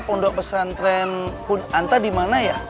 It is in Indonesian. pondok pesantren punanta dimana ya